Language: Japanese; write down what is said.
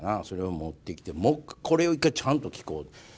それを持ってきてこれを一回ちゃんと聞こう。